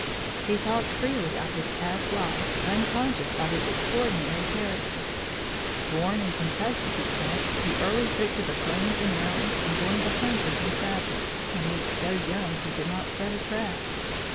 "He talked freely of his past life, unconscious of its extraordinary character. Born in Kentucky, he said, he early took to the plains and mountains, and joined the hunters and trappers, when he was so young he could not set a trap.